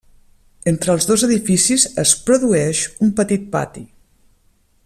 Entre els dos edificis es produeix un petit pati.